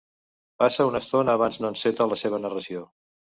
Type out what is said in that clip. Passa una estona abans no enceta la seva narració.